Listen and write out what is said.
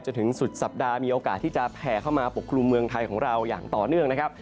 จนถึงสุดสัปดาห์มีโอกาสที่จะแผ่เข้ามาปกครุมเมืองไทยของเราอย่างต่อเนื่องนะครับ